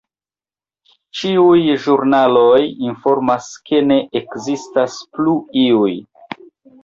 Ĉiuj ĵurnaloj informas, ke ne ekzistas plu iuj!